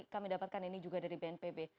kami dapatkan ini juga dari bnpb